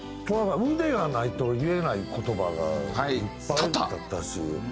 腕がないと言えない言葉がいっぱいだったし。